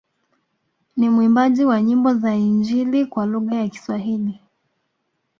Ni mwimbaji wa nyimbo za injili kwa lugha ya Kiswahili